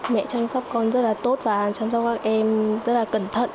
mẹ chăm sóc con rất là tốt và chăm sóc các em rất là cẩn thận